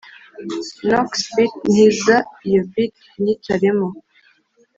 Knox beat ntiza iyo beat nyicaremo